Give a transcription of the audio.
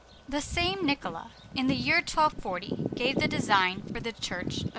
The same Niccola, in the year 1240, gave the design for the Church of S.